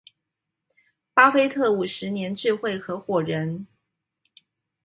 巴菲特五十年智慧合夥人